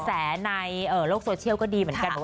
แสในโลกโซเชียลก็ดีเหมือนกัน